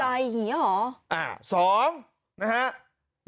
สับใจอย่างนี้หรอ